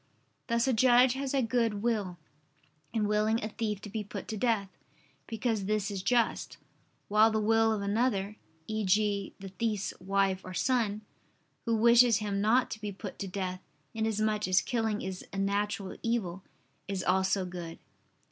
Thus a judge has a good will, in willing a thief to be put to death, because this is just: while the will of another e.g. the thief's wife or son, who wishes him not to be put to death, inasmuch as killing is a natural evil, is also good.